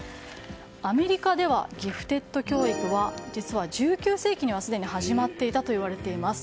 アメリカではギフテッド教育は実は１９世紀にはすでに始まっていたといわれています。